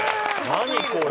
何これ？